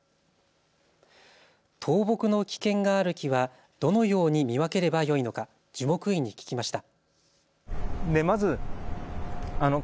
倒木の危険がある木はどのように見分ければよいのか樹木医に聞きました。